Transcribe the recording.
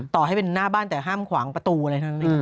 ต่อให้เป็นหน้าบ้านแต่ห้ามขวางประตูอะไรทั้งนั้น